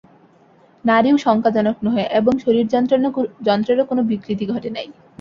নাড়ীও শঙ্কাজনক নহে এবং শরীরযন্ত্রেরও কোনো বিকৃতি ঘটে নাই।